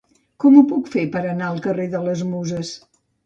Com ho puc fer per anar al carrer de les Muses?